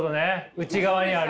内側にある。